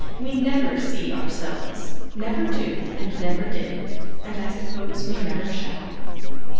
We never see ourselves never do, and never did and I suppose we never shall.